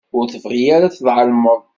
Ur tebɣi ara ad tεelmeḍ.